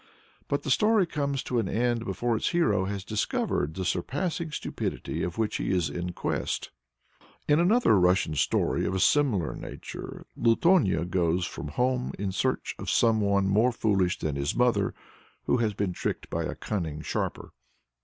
But the story comes to an end before its hero has discovered the surpassing stupidity of which he is in quest. In another Russian story of a similar nature Lutonya goes from home in search of some one more foolish than his mother, who has been tricked by a cunning sharper.